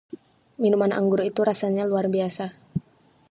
Minuman anggur itu rasanya luar biasa.